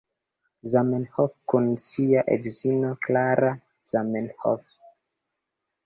Zamenhof kun sia edzino, Klara Zamenhof.